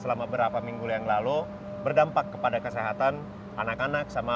selama berapa minggu yang lalu berdampak kepada kesehatan anak anak sama